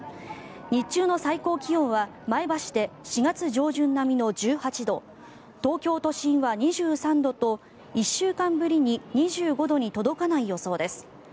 日中の最高気温は前橋で４月上旬並みの１８度東京都心は２３度と１週間ぶりに２５度に届かない予想です。